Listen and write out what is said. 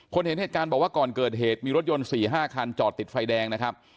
เห็นเหตุการณ์บอกว่าก่อนเกิดเหตุมีรถยนต์๔๕คันจอดติดไฟแดงนะครับ